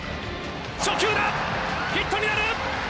初球だヒットになる！